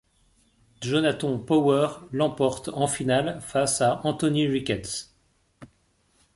Jonathon Power l'emporte en finale face à Anthony Ricketts.